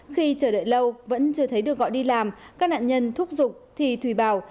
khi chờ đợi lâu vẫn chưa thấy được gọi đi làm các nạn nhân thúc dục thì thủy bảo